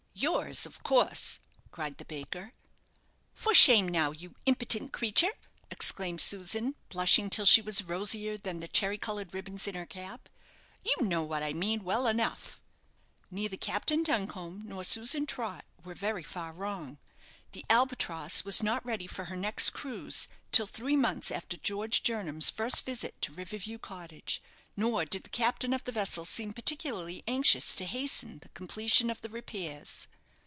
"Yours, of course," cried the baker. "For shame, now, you impitent creature!" exclaimed Susan, blushing till she was rosier than the cherry coloured ribbons in her cap; "you know what I mean well enough." Neither Captain Duncombe nor Susan Trott were very far wrong. The "Albatross" was not ready for her next cruise till three months after George Jernam's first visit to River View Cottage, nor did the captain of the vessel seem particularly anxious to hasten the completion of the repairs.